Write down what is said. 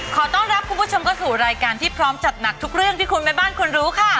ขอต้อนรับคุณผู้ชมเข้าสู่รายการที่พร้อมจัดหนักทุกเรื่องที่คุณแม่บ้านควรรู้ค่ะ